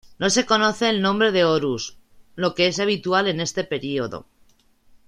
No se conoce el nombre de Horus, lo que es habitual en este período.